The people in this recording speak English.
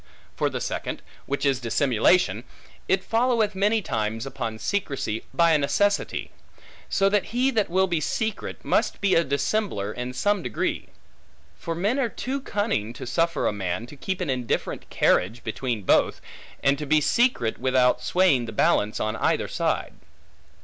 For the second, which is dissimulation; it followeth many times upon secrecy, by a necessity; so that he that will be secret, must be a dissembler in some degree. For men are too cunning, to suffer a man to keep an indifferent carriage between both, and to be secret, without swaying the balance on either side.